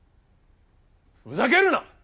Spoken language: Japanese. ふざけるな！